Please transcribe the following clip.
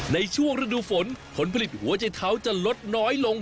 ในช่วงฤดูฝนผลผลิตหัวใจเท้าจะลดน้อยลง